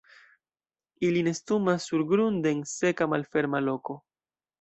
Ili nestumas surgrunde en seka malferma loko.